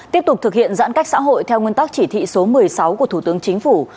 tiếp tục thực hiện giãn cách xã hội theo nguyên tắc chỉ thị số một mươi sáu của thủ tướng chính phủ